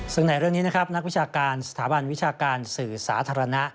ซึ่งในเรื่องนี้นะครับนักวิชาการสถาบันวิชาการสื่อสาธารณะ